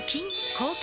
抗菌！